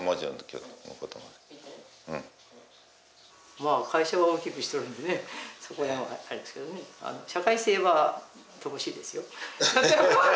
まあ会社は大きくしとるんでねそこら辺はあれですけどね社会性は乏しいですよ。